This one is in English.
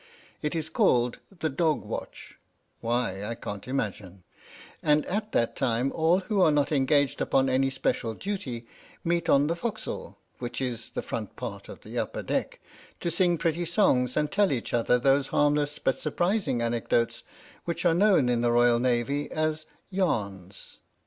It is called the "dog watch" (why, I can't imagine), and at that time all who are not engaged upon any special duty meet on the forecastle (which is the front part of the upper deck) to sing pretty songs and tell each other those harmless but surprising anecdotes which are known in the Royal Navy as "yarns."